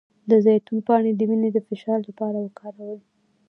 د زیتون پاڼې د وینې د فشار لپاره وکاروئ